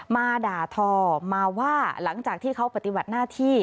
มาด่าทอมาว่าหลังจากที่เขาปฏิบัติหน้าที่